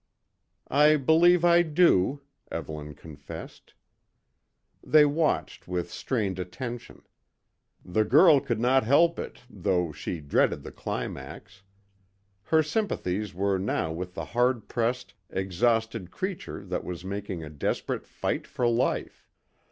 "I believe I do," Evelyn confessed. They watched with strained attention. The girl could not help it, though, she dreaded the climax. Her sympathies were now with the hard pressed, exhausted creature that was making a desperate fight for life.